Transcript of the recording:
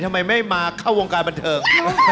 ทำไมไม่มาเข้าวงการบันเทิง